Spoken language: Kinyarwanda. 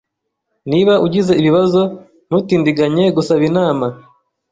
Niba ugize ibibazo, ntutindiganye gusaba inama.